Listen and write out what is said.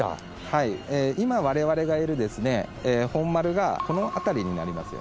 はい今われわれがいる本丸がこの辺りになります。